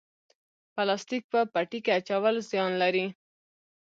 پلاستیک په پټي کې اچول زیان لري؟